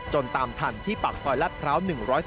ตามทันที่ปากซอยลาดพร้าว๑๔